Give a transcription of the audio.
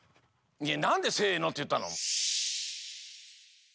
なんで「せの」っていったの？